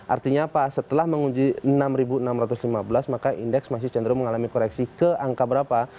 artinya apa setelah menguji enam enam ratus lima belas maka indeks masih cenderung mengalami koreksi ke angka berapa